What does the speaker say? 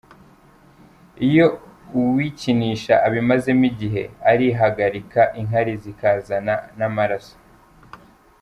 Iyo uwikinisha abimazemo igihe , arihagarika, inkari zikazana n’amaraso.